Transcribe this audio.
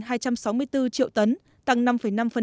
khai thác nội địa ước đạt sáu mươi ba tấn bằng năm ngoái